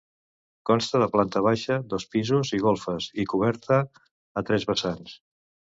Consta de planta baixa, dos pisos i golfes i coberta a tres vessants.